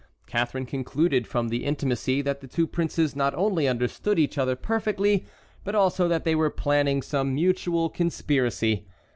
Catharine concluded from the intimacy that the two princes not only understood each other perfectly, but also that they were planning some mutual conspiracy.